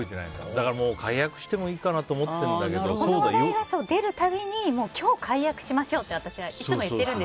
だから解約してもいいかなとこの話題が出るたびに今日解約しましょうって私はいつも言ってるんです。